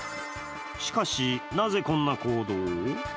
しかし、なぜこんな行動を。